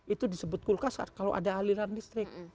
itu disebut kulkasar kalau ada aliran listrik